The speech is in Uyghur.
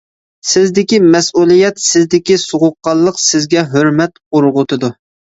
سىزدىكى مەسئۇلىيەت، سىزدىكى سوغۇققانلىق سىزگە ھۆرمەت ئۇرغۇتىدۇ.